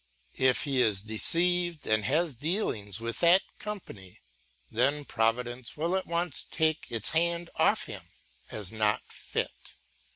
If he is deceived and has dealings with that company, then providence will at once take its hand off him, as not fit.